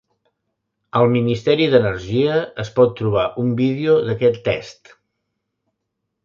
Al Ministeri d'energia es pot trobar un vídeo d'aquest test.